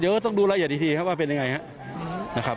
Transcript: เดี๋ยวต้องดูละเอียดอีกทีครับว่าเป็นยังไงครับนะครับ